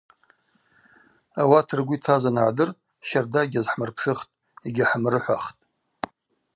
Ауат ргвы йтаз аныгӏдыр щарда йгьазхӏмырпшыхтӏ, йгьахӏымрыхӏвахтӏ.